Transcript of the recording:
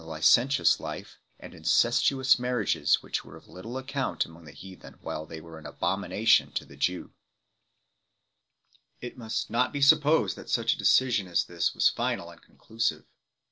licentious life and incestuous marriages which were of little account among the heathen while they were an abomination to the Jew 1 . It must not be supposed that such a decision as this was final and conclusive.